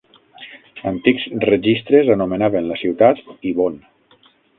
Antics registres anomenaven la ciutat Ibon.